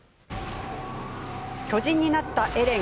巨人になったエレン。